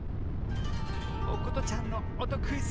おことちゃんのおとクイズ